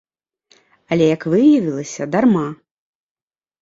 Але, як выявілася, дарма.